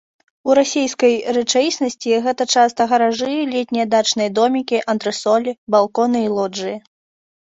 У расійскай рэчаіснасці гэта часта гаражы, летнія дачныя домікі, антрэсолі, балконы і лоджыі.